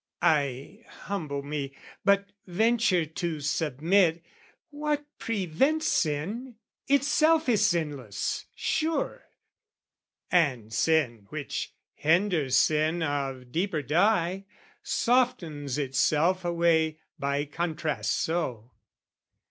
I humble me, but venture to submit What prevents sin, itself is sinless, sure: And sin, which hinders sin of deeper dye, Softens itself away by contrast so.